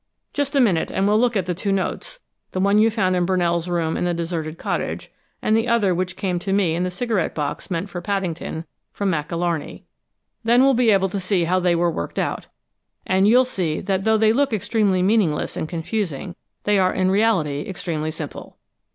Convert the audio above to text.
"Just a minute, and we'll look at the two notes, the one you found in Brunell's room in the deserted cottage, and the other which came to me in the cigarette box meant for Paddington, from Mac Alarney. Then we'll be able to see how they were worked out. And you'll see that though they look extremely meaningless and confusing, they are in reality extremely simple."